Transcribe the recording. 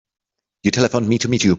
You telephoned me to meet you.